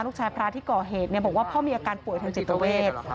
ลูกชายพระที่ก่อเหตุแปลว่าพ่อมีอาการป่วยทางติดตาเวท